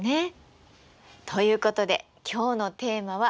ということで今日のテーマは西アジア。